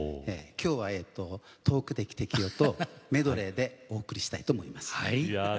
きょうは「遠くで汽笛を」とメドレーでお送りしたいと思います。